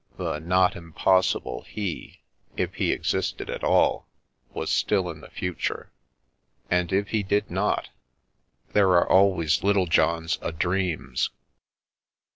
The " not impossible " he, if he existed at all, was still in the fu ture. And if he did not — there are always Little Johns o* Dreams.